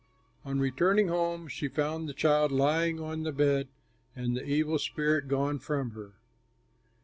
On returning home she found the child lying on the bed and the evil spirit gone from her.